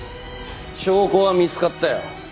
証拠は見つかったよ。